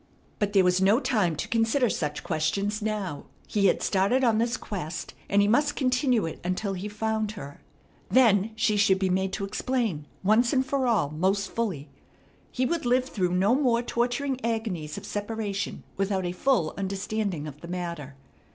But there was no time to consider such questions now. He had started on this quest, and he must continue it until he found her. Then she should be made to explain once and for all most fully. He would live through no more torturing agonies of separation without a full understanding of the matter.